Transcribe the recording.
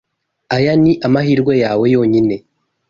Aya ni amahirwe yawe yonyine.